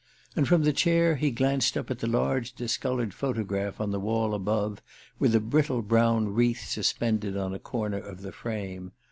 And from the chair he glanced up at the large discolored photograph on the wall above, with a brittle brown wreath suspended on a corner of the frame.